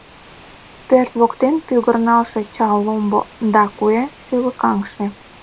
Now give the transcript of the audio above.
Пӧрт воктен пӱгырналше чал ломбо Да куэ шӱлыкаҥше.